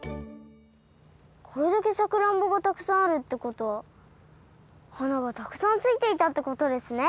これだけさくらんぼがたくさんあるってことははながたくさんついていたってことですね。